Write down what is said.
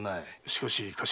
しかし頭。